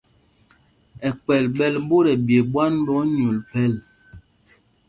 Ɛkɛl ɓɛ́l ɓot ɛɓye ɓwán ɓɛ onyûl phɛl.